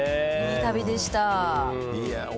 いい旅でした。